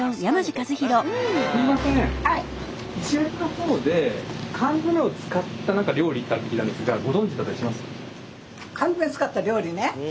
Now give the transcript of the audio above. すみません石垣の方で缶詰を使った何か料理ってあるって聞いたんですがご存じだったりします？